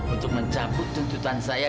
untuk mencaput tuntutan saya